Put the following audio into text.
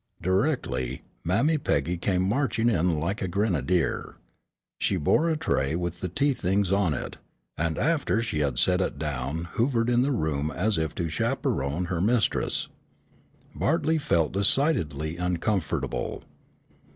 Directly, Mammy Peggy came marching in like a grenadier. She bore a tray with the tea things on it, and after she had set it down hovered in the room as if to chaperon her mistress. Bartley felt decidedly uncomfortable.